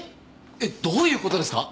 えっどういう事ですか？